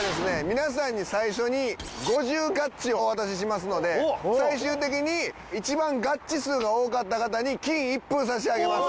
皆さんに最初に５０ガッチをお渡ししますので最終的に一番ガッチ数が多かった方に金一封差し上げます。